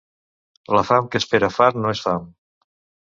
La fam que espera fart no és fam.